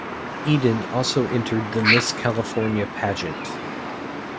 Eden also entered the Miss California pageant.